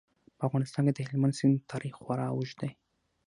په افغانستان کې د هلمند سیند تاریخ خورا اوږد دی.